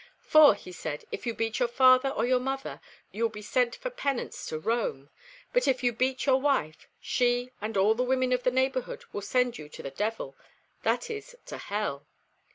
"For," said he, "if you beat your father or your mother you will be sent for penance to Rome; but if you beat your wife, she and all the women of the neighbourhood will send you to the devil, that is, to hell.